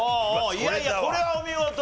いやいやこれはお見事！